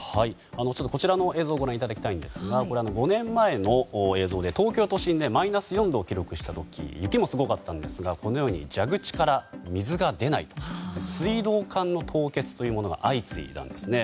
こちらの映像をご覧いただきたいんですが５年前の映像で東京都新でマイナス４度を記録した時雪もすごかったんですがこのように蛇口から水が出ない水道管の凍結が相次いだんですね。